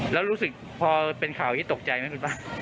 แล้วรู้สึกพอเป็นข่าวที่ตกใจไหมคุณฟ้า